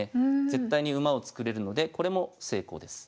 絶対に馬を作れるのでこれも成功です。